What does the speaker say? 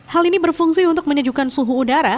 hal ini berfungsi untuk menyejukkan suhu udara